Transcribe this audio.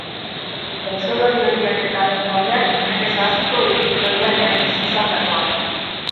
Boxeolari ohiak eta haren taldeak nekez ahaztuko dituzte oihanean bizi izandakoak.